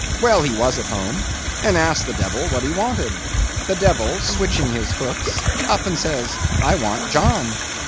Well, he was at home, and asked the devil what he wanted. The devil, switching his hoofs, up and says, 'I want John.